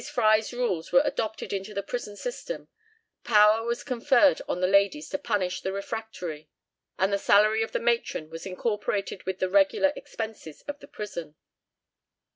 Fry's rules were adopted into the prison system, power was conferred on the ladies to punish the refractory, and the salary of the matron was incorporated with the regular expenses of the prison.